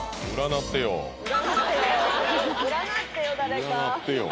占ってよ